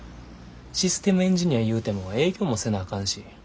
システムエンジニアいうても営業もせなあかんし。